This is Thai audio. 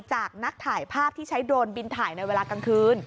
จากนักถ่ายภาพที่ใช้โดรนบินถ่ายในเวลากลางคืน